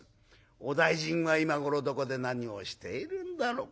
お大尽は今頃どこで何をしているんだろう。